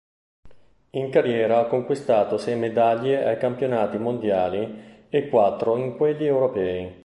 In carriera ha conquistato sei medaglie ai campionati mondiali e quattro in quelli europei.